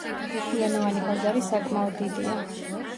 რუსულენოვანი ბაზარი საკმაოდ დიდია.